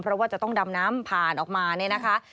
เพราะว่าจะต้องดำน้ำผ่านออกมาเนี่ยนะคะ